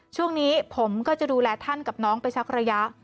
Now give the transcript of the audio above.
ช่วงนี้ผมก็จะดูแลท่านกับน้องไปสักระยะ